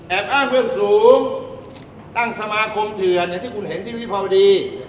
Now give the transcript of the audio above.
อ้างเบื้องสูงตั้งสมาคมเถื่อนอย่างที่คุณเห็นที่วิภาวดี